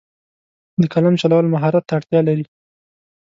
د قلم چلول مهارت ته اړتیا لري.